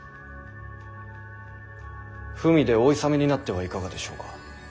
文でお諫めになってはいかがでしょうか。